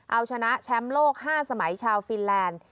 เอาชนะแชมป์โลก๕สมัยชาวฟินแลนด์